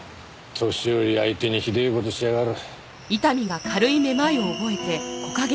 年寄り相手にひでえ事しやがる。